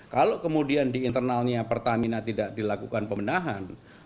kalau kemudian di internalnya pertamina tidak dilakukan pemenahan